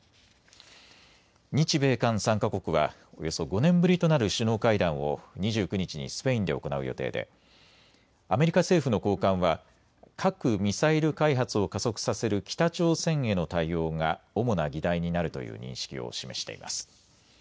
日米韓３か国はおよそ５年ぶりとなる首脳会談を２９日にスペインで行う予定でアメリカ政府の高官は核・ミサイル開発を加速させる北朝鮮への対応が主な議題になるという認識を示しています。